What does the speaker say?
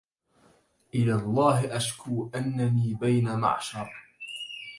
إلى الله أشكو أنني بين معشر